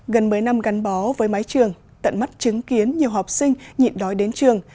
gần mấy năm gắn bó với mái trường tận mắt chứng kiến nhiều học sinh nhịn đói đến trường